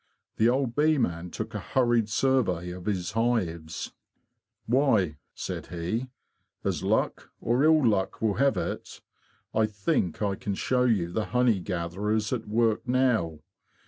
The old bee man took a hurried survey of his hives. '* Why," said he, '' as luck, or ill luck, will have it, I think I can show you the honey gatherers at work now.